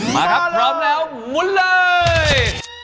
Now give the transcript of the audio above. มาครับพร้อมแล้วมุนเลย